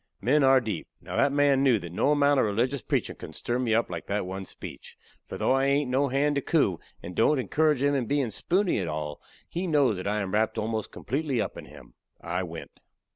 Men are deep. Now that man knew that no amount of religious preachin' could stir me up like that one speech. For though I hain't no hand to coo, and don't encourage him in bein' spoony at all, he knows that I am wrapped almost completely up in him. I went.